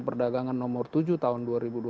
perdagangan nomor tujuh tahun dua ribu dua puluh